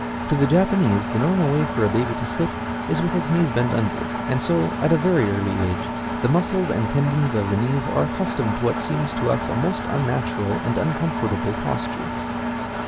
To the Japanese, the normal way for a baby to sit is with its knees bent under it, and so, at a very early age, the muscles and tendons of the knees are accustomed to what seems to us a most unnatural and uncomfortable posture.